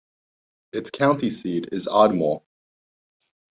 Its county seat is Ardmore.